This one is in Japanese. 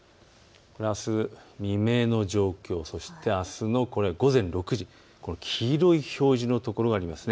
あす未明の状況、そしてあすの午前６時、黄色い表示の所があります。